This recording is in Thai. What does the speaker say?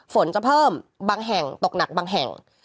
ฝนจะเพิ่มบางแห่งตกหนักบางแห่ง